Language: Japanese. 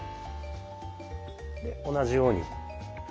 で同じように。